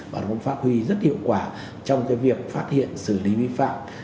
và nó cũng phát huy rất hiệu quả trong việc phát hiện xử lý vi phạm